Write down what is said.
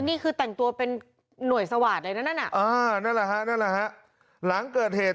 นี่คือแต่งตัวเป็นหน่วยสวาทเลยนะนั่นนั่นหลังเกิดเหตุ